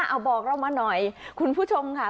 เอาบอกเรามาหน่อยคุณผู้ชมค่ะ